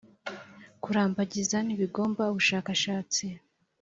kurambagiza ntibigomba ubushakashatsi .